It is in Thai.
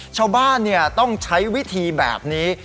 ชาวบ้านต้องใช้วิธีแบบนี้